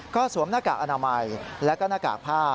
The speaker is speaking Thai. ก็สวมหน้ากากอนามัยแล้วก็หน้ากากผ้า